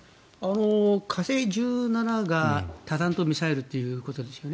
火星１７が多弾頭ミサイルということですよね。